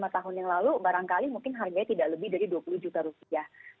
lima tahun yang lalu barangkali mungkin harganya tidak lebih dari dua puluh juta rupiah